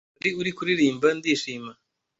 Wari uri kuririmba ndishima